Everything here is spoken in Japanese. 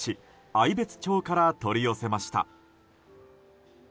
愛別町から取り寄せました。